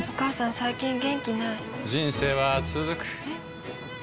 最近元気ない人生はつづくえ？